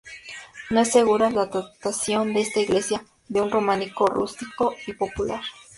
No es segura la datación de esta iglesia de un románico rústico y popular.